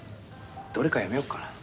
どれかやめよっかな。